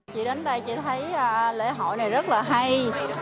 chị đến đây chị thấy lễ hội này rất là hay